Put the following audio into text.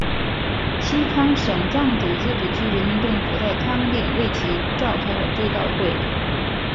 西康省藏族自治区人民政府在康定为其召开了追悼会。